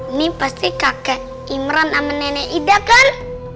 ini pasti kakek imran sama nenek ida kan